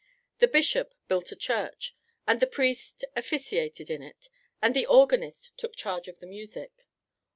The bishop built a church, and the priest officiated in it, and the organist took charge of the music.